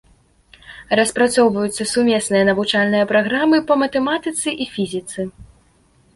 Распрацоўваюцца сумесныя навучальныя праграмы па матэматыцы і фізіцы.